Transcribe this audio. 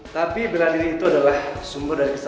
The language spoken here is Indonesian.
tapi bela diri itu adalah sumber dari kesadaran